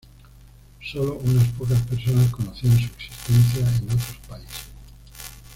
Sólo unas pocas personas conocían su existencia en otros países.